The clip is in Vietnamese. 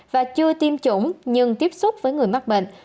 và chưa tiêm chủng nhưng tiếp xúc với người mắc bệnh